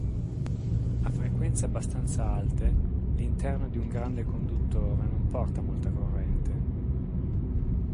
A frequenze abbastanza alte, l'interno di un grande conduttore non porta molta corrente.